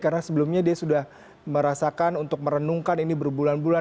karena sebelumnya dia sudah merasakan untuk merenungkan ini berbulan bulan